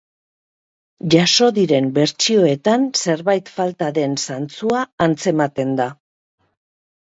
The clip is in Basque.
Jaso diren bertsioetan zerbait falta den zantzua antzematen da.